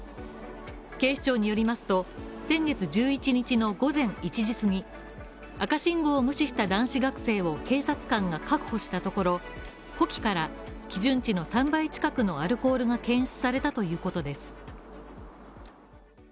警視庁によりますと、先月１１日の午前１時すぎ赤信号を無視した男子学生を警察官が確保したところ呼気から基準地の３倍近くのアルコールとが検出されたということです。